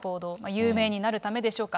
有名になるためでしょうか。